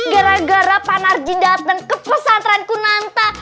gara gara pak narji datang ke pesantren kunanta